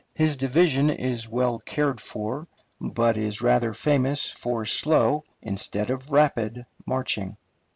His division is well cared for, but is rather famous for slow instead of rapid marching.